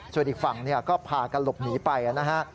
ส่วนอีกฝั่งก็พากันหลบหนีไปนะฮะ